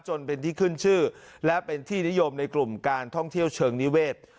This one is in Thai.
จนเป็นที่ขึ้นชื่อและเป็นที่นิยมในกลุ่มการท่องเที่ยวเชิงนิเวศ